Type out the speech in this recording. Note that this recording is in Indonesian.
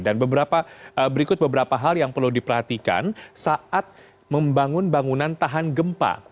dan berikut beberapa hal yang perlu diperhatikan saat membangun bangunan tahan gempa